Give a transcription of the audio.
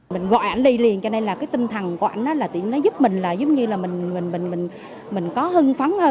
mình gọi anh đi liền cho nên là tinh thần của anh giúp mình là giúp như là mình có hưng phấn hơn